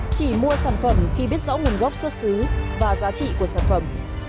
chỉ mua sản phẩm khi biết rõ nguồn gốc xuất xứ và giá trị của sản phẩm